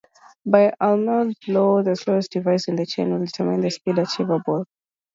By Amdahl's law, the slowest device in the chain will determine the speed achievable.